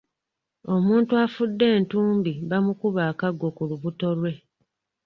Omuntu afudde entumbi bamukuba akaggo ku lubuto lwe.